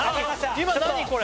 今何これ？